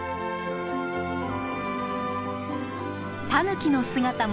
タヌキの姿も。